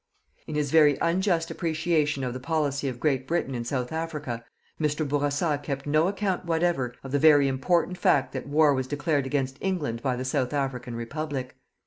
In his very unjust appreciation of the policy of Great Britain in South Africa, Mr. Bourassa kept no account whatever of the very important fact that war was declared against England by the South African Republic.